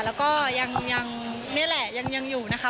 แล้วก็ยังนี่แหละยังอยู่นะคะ